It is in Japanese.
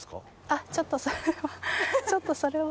ちょっとそれは。